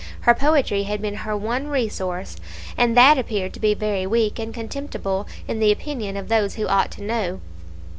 Her poetry had been her one resource; and that appeared to be very weak and contemptible in the opinion of those who ought to know.